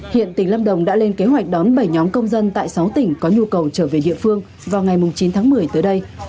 hiện tỉnh lâm đồng đã lên kế hoạch đón bảy nhóm công dân tại sáu tỉnh có nhu cầu trở về địa phương vào ngày chín tháng một mươi tới đây